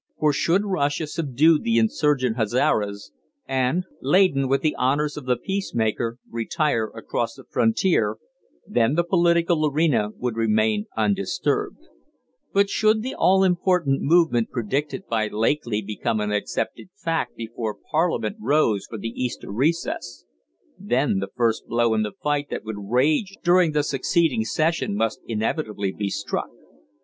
For should Russia subdue the insurgent Hazaras and, laden with the honors of the peacemaker, retire across the frontier, then the political arena would remain undisturbed; but should the all important movement predicted by Lakely become an accepted fact before Parliament rose for the Easter recess, then the first blow in the fight that would rage during the succeeding session must inevitably be struck.